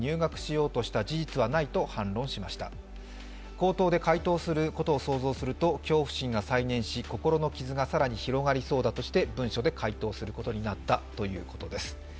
口頭で回答することを想像すると恐怖心が再燃し心の傷が更に広がりそうだとして文書で回答することになったということです。